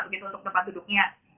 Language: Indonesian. begitu untuk tempat duduknya